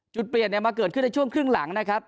จุดเปลี่ยนมาเกิดขึ้นในช่วงครึ่งหลังนะครับ